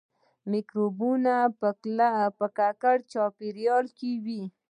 مکروبونه په ککړ چاپیریال کې وي